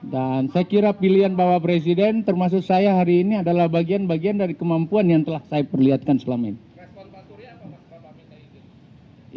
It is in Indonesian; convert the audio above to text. dan saya kira pilihan bapak presiden termasuk saya hari ini adalah bagian bagian dari kemampuan yang telah saya perlihatkan selama ini